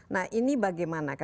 nah ini bagaimana